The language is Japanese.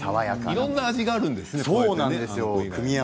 いろんな味があるんですね。